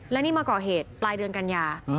และนี่มาก่อเหตุปลายเดือนกันยา